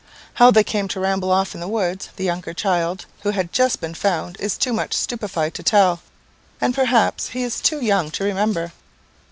"How they came to ramble off into the woods, the younger child, who has been just found, is too much stupified to tell, and perhaps he is too young to remember.